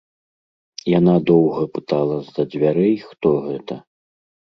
Яна доўга пытала з-за дзвярэй, хто гэта.